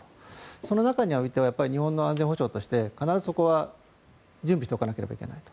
その中においては日本の安全保障として必ずそこは準備しておかなければいけないと。